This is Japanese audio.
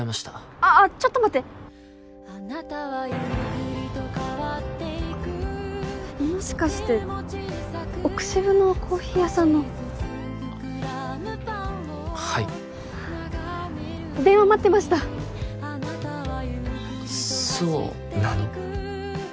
ああっちょっと待ってもしかして奥渋のコーヒー屋さんのはい電話待ってましたそうなの？